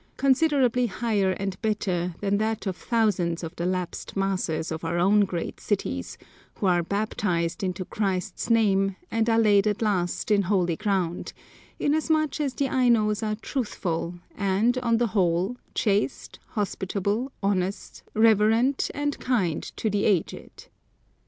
—considerably higher and better than that of thousands of the lapsed masses of our own great cities who are baptized into Christ's name, and are laid at last in holy ground, inasmuch as the Ainos are truthful, and, on the whole, chaste, hospitable, honest, reverent, and kind to the aged.